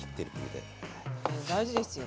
でも大事ですよ。